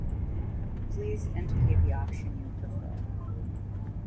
Please indicate the option you prefer.